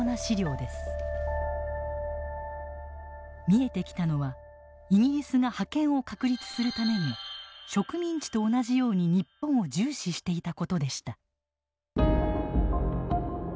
見えてきたのはイギリスが覇権を確立するために植民地と同じように日本を重視していたことでした。